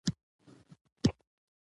تخت ما درکړ.